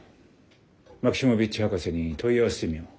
マキシモヴィッチ博士に問い合わせてみよう。